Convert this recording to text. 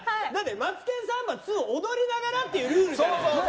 「マツケンサンバ２」を踊りながらっていうルールじゃん。